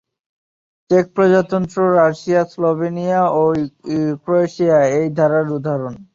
Check প্রজাতন্ত্র, Russia, Slovenia, এবং Croatia এই ধারার উদাহরণ।